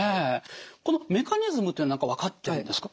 このメカニズムっていうのは何か分かってるんですか？